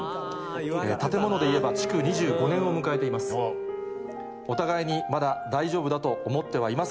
建物でいえば築２５年を迎えています。